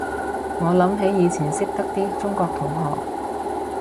我諗起以前識得啲中國同學